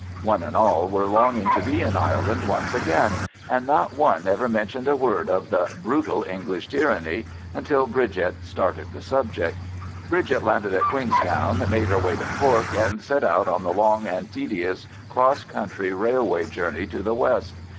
One and all were longing to be in Ireland once again, and not one ever mentioned a word of the "brutal English tyranny" until Bridget started the subject. Bridget landed at Queenstown, made her way to Cork, and set out on the long and tedious cross country railway journey to the west.